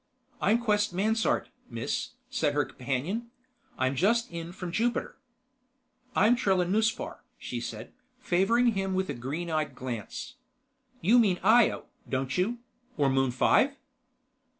"I'm Quest Mansard, Miss," said her companion. "I'm just in from Jupiter." "I'm Trella Nuspar," she said, favoring him with a green eyed glance. "You mean Io, don't you or Moon Five?"